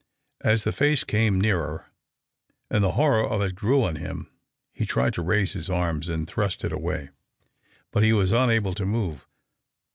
As the face came nearer and the horror of it grew on him, he tried to raise his arms and thrust it away, but he was unable to move.